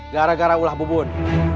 gara gara ulah bu bun